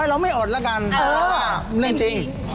เนอะไม่อดนะกันเรื่องจริง